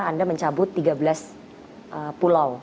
anda mencabut tiga belas pulau